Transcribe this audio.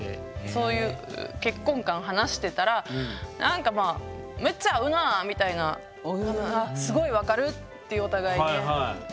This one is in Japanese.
そういう結婚観を話してたらなんかまあむっちゃ合うなぁみたいなすごい分かるってお互いにね。